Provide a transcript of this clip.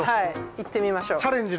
行ってみましょう。